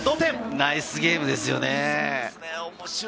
ナイスゲームですよね。